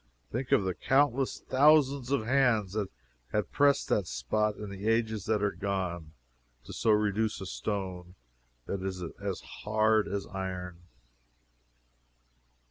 Think of the countless thousands of hands that had pressed that spot in the ages that are gone, to so reduce a stone that is as hard as iron!